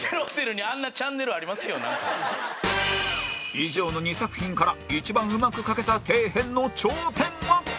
以上の２作品から一番うまく描けた底辺の頂点は？